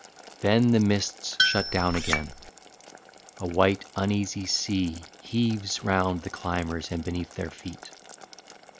Then the mists Shut down again; a white uneasy sea Heaves round the climbers and beneath their feet.